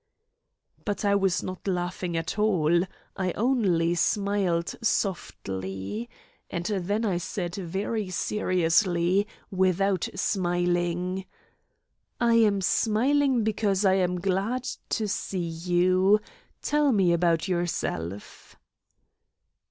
But I was not laughing at all, I only smiled softly. And then I said very seriously, without smiling: "I am smiling because I am glad to see you. Tell me about yourself."